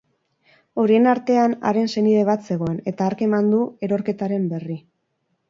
Horien artean haren senide bat zegoen, eta hark eman du erorketaren berri.